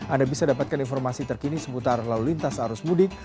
anda bisa dapatkan informasi terkini seputar lalu lintas arus mudik